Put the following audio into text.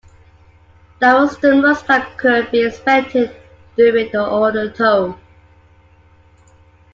That was the most that could be expected during an auto tow.